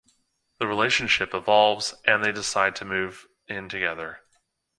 The relationship evolves, and they decide to move in together.